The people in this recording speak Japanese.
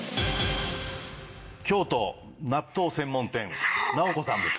京都納豆専門店なおこさんです。